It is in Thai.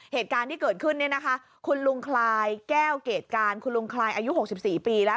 เหตุการณ์ที่เกิดขึ้นเนี่ยนะคะคุณลุงคลายแก้วเกรดการคุณลุงคลายอายุ๖๔ปีแล้ว